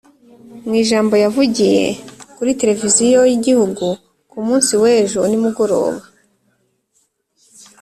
Mu ijambo yavugiye kuri televiziyo y’igihugu ku munsi w’ejo nimugoroba